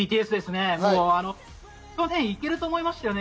去年いけると思いましたよね。